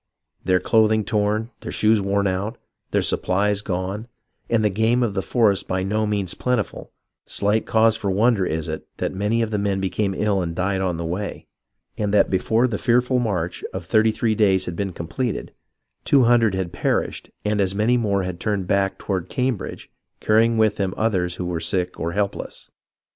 Their clothing torn, their shoes worn out, their supplies gone, and the game of the forest by no means plentiful, slight cause for wonder is it that many of the men became ill and died on the way, and that before the fearful march of thirty three days had been completed, two hundred had perished and as many more had turned back toward Cambridge, carrj ing with them others w^ho were sick or helpless.